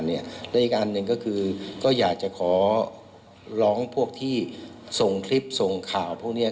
และอีกอันหนึ่งก็คือก็อยากจะขอร้องพวกที่ส่งคลิปส่งข่าวพวกนี้